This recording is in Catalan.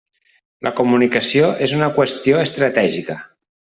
La comunicació és una qüestió estratègica.